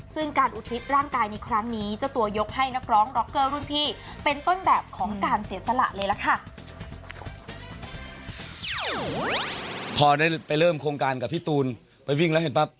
ซึ่งการอุทิศร่างกายในครั้งนี้เจ้าตัวยกให้นักร้องร็อกเกอร์รุ่นพี่เป็นต้นแบบของการเสียสละเลยล่ะค่ะ